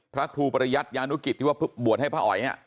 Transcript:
พระครูปริยัติยานุกิจที่ว่าบวชให้พระอ๋อย